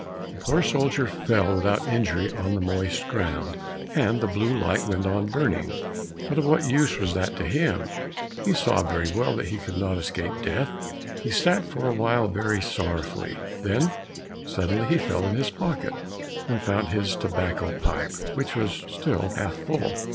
The poor soldier fell without injury on the moist ground, and the blue light went on burning, but of what use was that to him? He saw very well that he could not escape death. He sat for a while very sorrowfully, then suddenly he felt in his pocket and found his tobacco pipe, which was still half full.